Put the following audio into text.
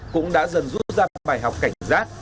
cũng đã dần rút ra bài học cảnh giác